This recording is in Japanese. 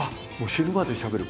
「死ぬまでしゃべる」。